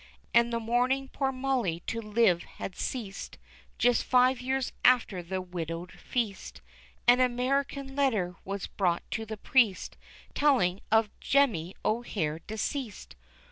And the morning poor Molly to live had ceased, Just five years after the widowed feast, An American letter was brought to the priest, Telling of Jemmy O'Hare deceased!